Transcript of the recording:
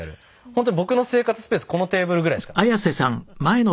本当に僕の生活スペースこのテーブルぐらいしかなかったですね。